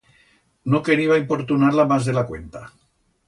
No queriba importunar-la mas de la cuenta.